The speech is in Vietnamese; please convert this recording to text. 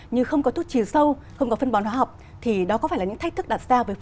chứ không được bán nhiều phân hóa học